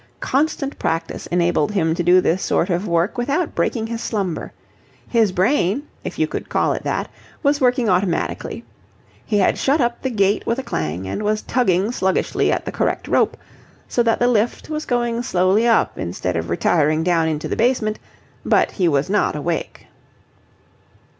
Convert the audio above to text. Constant practice enabled him to do this sort of work without breaking his slumber. His brain, if you could call it that, was working automatically. He had shut up the gate with a clang and was tugging sluggishly at the correct rope, so that the lift was going slowly up instead of retiring down into the basement, but he was not awake.